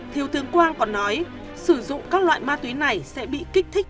thiếu tướng quang còn nói sử dụng các loại ma túy này sẽ bị kích thích